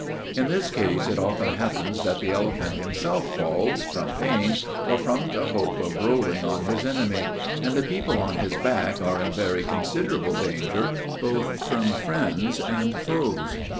In this case it often happens that the elephant himself falls, from pain, or from the hope of rolling on his enemy; and the people on his back are in very considerable danger both from friends and foes.